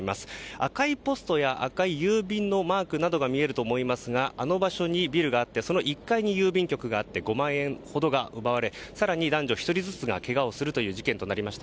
赤いポストや赤い郵便のマークなどが見えると思いますがあの場所にビルがあってその１階に郵便局があって５万円ほどが奪われそして男女１人ずつがけがをするという事件となりました。